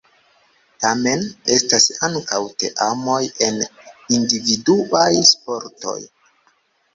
Tamen, estas ankaŭ teamoj en individuaj sportoj.